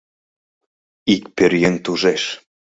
!— ик пӧръеҥ тужеш.